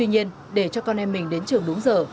hôm nay mình đến trường đúng giờ